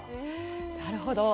なるほど。